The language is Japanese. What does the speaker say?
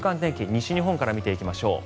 西日本から見ていきましょう。